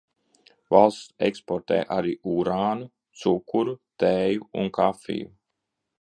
Valsts eksportē arī urānu, cukuru, tēju un kafiju.